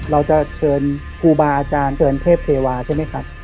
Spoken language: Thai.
เราจะเชิญครูบาอาจารย์เชิญเทพเทวาใช่ไหมครับ